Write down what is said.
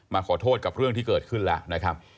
ขอโทษกับเรื่องที่เกิดขึ้นแล้วนะครับ